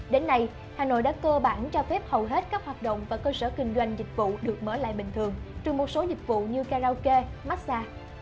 đến nay hà nội đã cơ bản cho phép hầu hết các hoạt động và cơ sở kinh doanh dịch vụ được mở lại bình thường trừ một số dịch vụ như karaoke massage